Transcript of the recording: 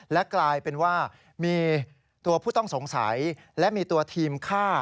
และกลายเป็นว่ามีตัวผู้ต้องสงสัยและมีตัวทีมฆ่า